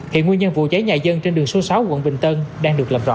hiện nguyên nhân vụ cháy nhà dân trên đường số sáu quận bình tân đang được làm rõ